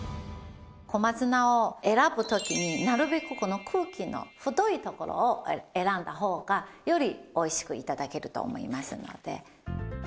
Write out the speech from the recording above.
小松菜を選ぶ時になるべくこの茎の太いところを選んだ方がよりおいしく頂けると思いますので。